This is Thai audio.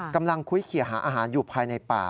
คุ้ยเขียหาอาหารอยู่ภายในป่า